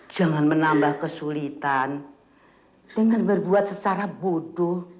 jangan menambah kesulitan dengan berbuat secara bodoh